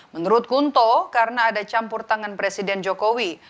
menurut kunto karena ada campur tangan presiden jokowi